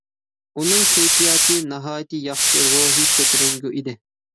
ئۇنىڭ كەيپىياتى ناھايىتى ياخشى، روھى كۆتۈرەڭگۈ ئىدى.